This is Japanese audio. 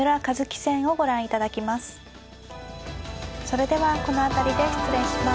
それではこの辺りで失礼します。